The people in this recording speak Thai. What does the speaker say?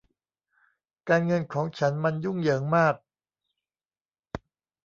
การเงินของฉันมันยุ่งเหยิงมาก